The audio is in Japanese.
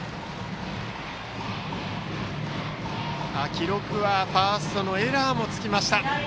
記録はファーストのエラーもつきました。